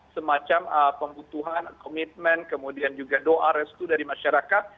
semacam pembutuhan komitmen kemudian juga doa restu dari masyarakat